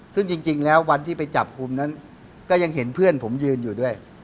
ซึ่งจริงแล้ววันที่ไปจับกลุ่มนั้นก็ยังเห็นเพื่อนผมยืนอยู่ด้วย